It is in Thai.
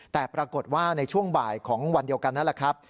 แต่ปรากฏว่าในช่วงบ่ายของวันเดียวกันนั่นแหละครับ